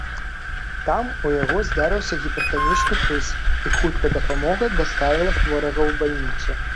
Там у яго здарыўся гіпертанічны крыз, і хуткая дапамога даставіла хворага ў бальніцу.